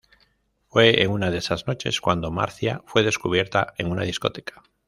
Fue en una de esas noches cuando Marcia fue descubierta en una discoteca.